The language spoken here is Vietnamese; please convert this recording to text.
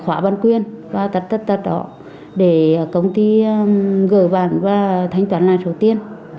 khoản bản quyền và tật tật tật đó để công ty gửi bản và thanh toán lại số tiền